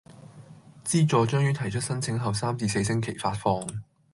資助將於提出申請後三至四星期發放